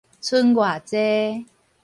賰偌濟